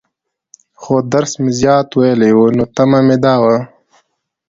خو درس مې زيات وويلى وو، نو تمه مې دا وه.